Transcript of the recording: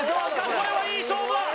これはいい勝負だ